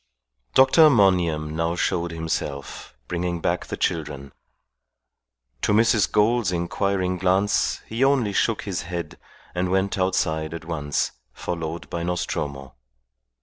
Dr. Monygham now showed himself, bringing back the children. To Mrs. Gould's inquiring glance he only shook his head and went outside at once, followed by Nostromo.